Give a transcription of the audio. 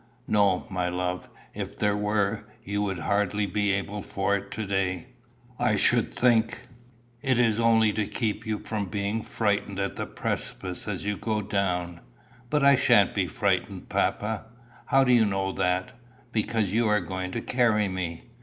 "No, my love. If there were, you would hardly be able for it to day, I should think. It is only to keep you from being frightened at the precipice as you go down." "But I sha'n't be frightened, papa." "How do you know that?" "Because you are going to carry me."